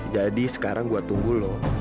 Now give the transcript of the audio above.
jadi sekarang gua tunggu lu